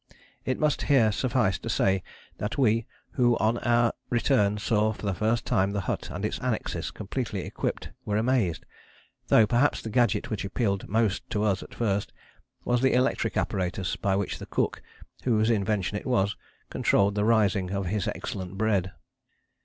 It must here suffice to say that we who on our return saw for the first time the hut and its annexes completely equipped were amazed; though perhaps the gadget which appealed most to us at first was the electric apparatus by which the cook, whose invention it was, controlled the rising of his excellent bread.